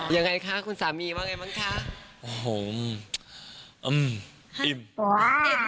ยังไงคะคุณสามีว่าไงบ้างคะ